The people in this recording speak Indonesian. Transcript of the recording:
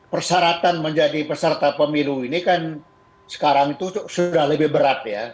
persyaratan menjadi peserta pemilu ini kan sekarang itu sudah lebih berat ya